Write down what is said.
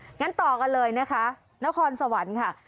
งั้นต่อกันเลยนะคะนครสวรรค์ค่ะ